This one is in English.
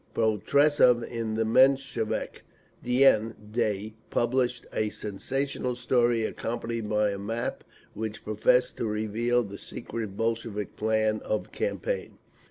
Potressov, in the Menshevik Dien (Day), published a sensational story, accompanied by a map, which professed to reveal the secret Bolshevik plan of campaign.